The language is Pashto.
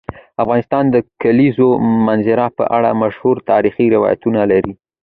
افغانستان د د کلیزو منظره په اړه مشهور تاریخی روایتونه لري.